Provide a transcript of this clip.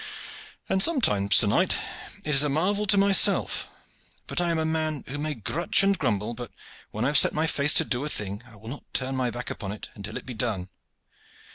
"And sometimes, sir knight, it is a marvel to myself. But I am a man who may grutch and grumble, but when I have set my face to do a thing I will not turn my back upon it until it be done.